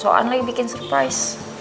soalnya bikin surprise